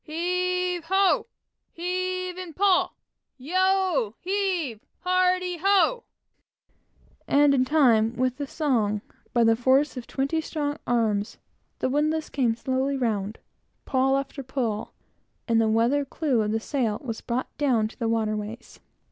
"Heave ho! Heave and pawl! Yo, heave, hearty, ho!" and, in time with the song, by the force of twenty strong arms, the windlass came slowly round, pawl after pawl, and the weather clew of the sail was brought down to the waterways.